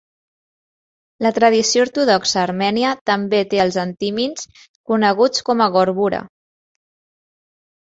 La tradició ortodoxa armènia també té els antimins, coneguts com a "gorbura"